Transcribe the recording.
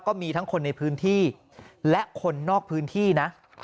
ก็มีทั้งคนในพื้นที่และคนนอกพื้นที่นะ